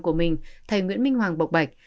của mình thầy nguyễn minh hoàng bộc bạch